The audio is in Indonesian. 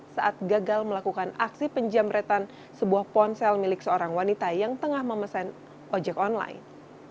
saat gagal melakukan aksi penjamretan sebuah ponsel milik seorang wanita yang tengah memesan ojek online